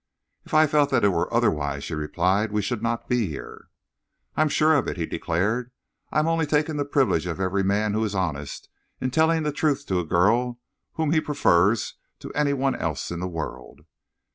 "If I felt that it were otherwise," she replied, "we should not be here." "I am sure of it," he declared. "I am only taking the privilege of every man who is honest, in telling the truth to the girl whom he prefers to any one else in the world."